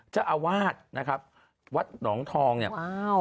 เจ้าอาวาสนะครับวัดหนองทองเนี่ยอ้าว